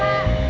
terima kasih bu